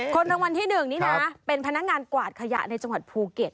รางวัลที่๑นี่นะเป็นพนักงานกวาดขยะในจังหวัดภูเก็ต